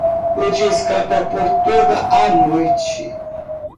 O dia escapa por toda a noite.